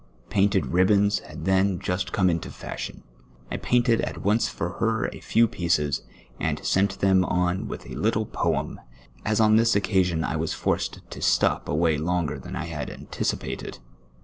Painted ribbons had then just come into fashion, I painted at once for her a few pieces, and sent them on M*ith a little poem, as on this occasion I was forced to stop away longer than I had anticipated.